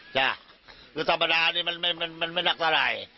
จ้ะคือธรรมดานี่มันไม่หนักเท่าไหร่